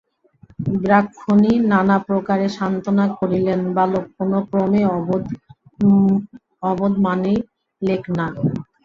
ব্রাহ্মণী নানা প্রকারে সান্ত্বনা করিলেন বালক কোন ক্রমেই প্রবোধ মানিলেক না।